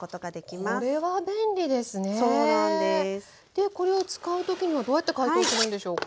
でこれを使う時にはどうやって解凍するんでしょうか？